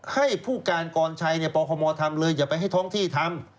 ให้ผู้การกรชัยปคมทำเลยอย่าไปให้ท้องที่ทำ